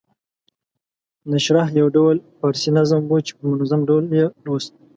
نشرح یو ډول فارسي نظم وو چې په منظوم ډول یې لوست.